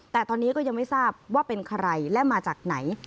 แต่ตอนนี้ก็ยังไม่ทราบว่าเป็นใครและมาจากไหน